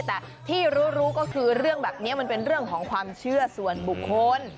แต่ที่รู้ก็คือเรื่องแบบนี้มันเป็นเรื่องของความเชื่อส่วนบุคคล